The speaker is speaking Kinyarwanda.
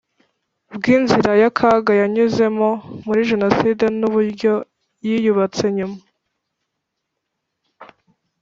bw inzira y akaga yanyuzemo muri Jenoside n uburyo yiyubatse nyuma